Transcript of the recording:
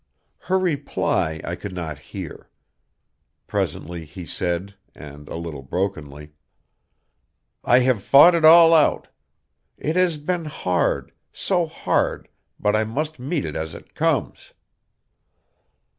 Her reply I could not hear. Presently he said, and a little brokenly: "I have fought it all out. It has been hard, so hard, but I must meet it as it comes."